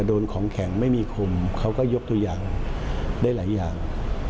โดนของแข็งไม่มีคมเขาก็ยกตัวอย่างได้หลายอย่าง